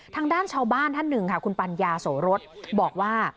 ทางด้านชาวบ้านท่านหนึ่งค่ะคุณปัญญาโสรสบอกว่า